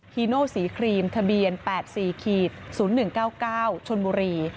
ีโนสีครีมทะเบียน๘๔๐๑๙๙ชนบุรี